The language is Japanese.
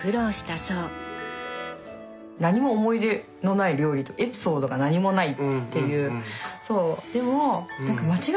何も思い入れのない料理エピソードが何もないっていう。